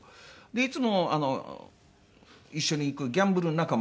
いつも一緒に行くギャンブル仲間がいまして。